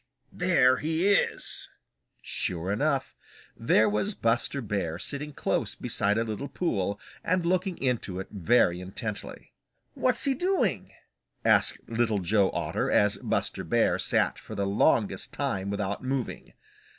There he is." Sure enough, there was Buster Bear sitting close beside a little pool and looking into it very intently. "What's he doing?" asked Little Joe Otter, as Buster Bear sat for the longest time without moving.